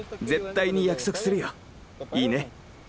絶対に約束するよ。いいね。